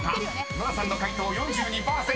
［ノラさんの解答４２％。